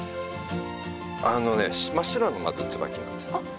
あのね真っ白なツバキなんです。